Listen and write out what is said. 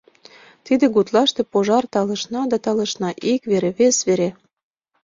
Тиде гутлаште пожар талышна да талышна — ик вере, вес вере...